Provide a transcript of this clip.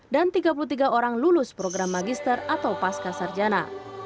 dan tiga puluh tiga orang lulus program magister atau paskah sarjana